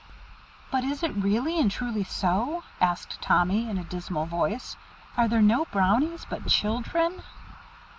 "But is it really and truly so?" asked Tommy, in a dismal voice. "Are there no Brownies but children?"